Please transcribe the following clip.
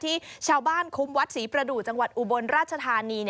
ที่ชาวบ้านคุ้มวัดศรีประดูกจังหวัดอุบลราชธานี